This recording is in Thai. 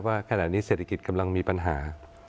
ว่าขณะนี้เศรษฐกิจกำลังมีปัญหา